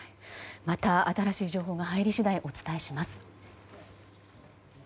また新しい情報が入り次第お伝えします。